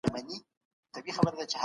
موږ درته راټوليږو او علم حاصلوو.